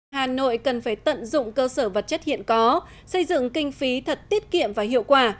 hà nội cần phải tận dụng cơ sở vật chất hiện có xây dựng kinh phí thật tiết kiệm và hiệu quả